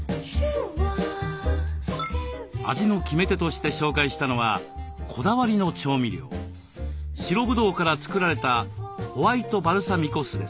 味の決め手として紹介したのはこだわりの調味料白ブドウから作られたホワイトバルサミコ酢です。